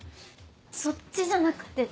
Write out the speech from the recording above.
そっちじゃなくて。